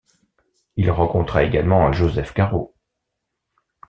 Il rencontra également Joseph Caro.